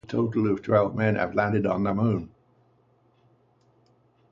A total of twelve men have landed on the Moon.